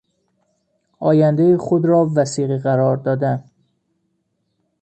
آیندهی خود را وثیقه قرار دادن